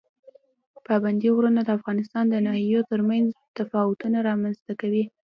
پابندی غرونه د افغانستان د ناحیو ترمنځ تفاوتونه رامنځ ته کوي.